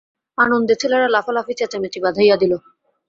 আনন্দে ছেলেরা লফালাফি চেঁচামেচি বাধাইয়া দিল।